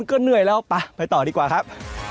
ก็เหนื่อยแล้วไปต่อดีกว่าครับ